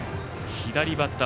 左バッター